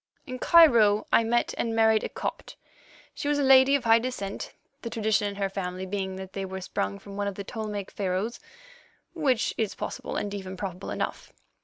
In Cairo I married a Copt. She was a lady of high descent, the tradition in her family being that they were sprung from one of the Ptolemaic Pharaohs, which is possible and even probable enough.